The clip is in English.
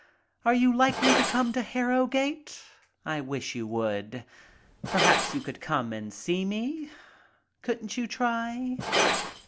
Are you likely to come to Harrowgate? I wish you would. Perhaps you could come and see me. Couldn't you try?"